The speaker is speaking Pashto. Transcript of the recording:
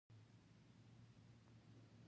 که ګاونډي ته نېک عمل وکړې، اولاد دې به زده کړي